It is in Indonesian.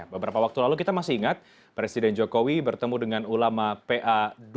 beberapa waktu lalu kita masih ingat presiden jokowi bertemu dengan ulama pa dua ratus dua belas